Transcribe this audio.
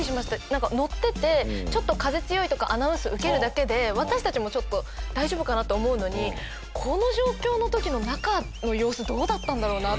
なんか乗っててちょっと風強いとかアナウンス受けるだけで私たちもちょっと大丈夫かな？と思うのにこの状況の時の中の様子どうだったんだろうな？